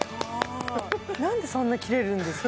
なんでそんな切れるんですか？